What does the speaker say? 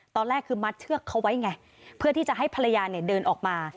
ตอนแรกคือมัดเชือกเขาไว้ไงเพื่อที่จะให้ภรรยาเนี่ยเดินออกมา